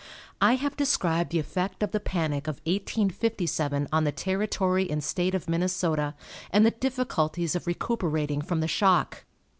I have described the effect of the panic of 1857 on the Territory and State of Minnesota, and the difficulties of recuperating from the shock.